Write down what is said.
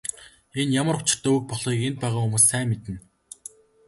Энэ ямар учиртай үг болохыг энд байгаа хүмүүс сайн мэднэ.